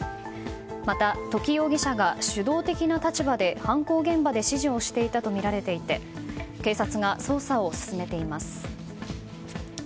また、土岐容疑者が主導的な立場で犯行現場で指示をしていたとみられていて警察が捜査を進めています。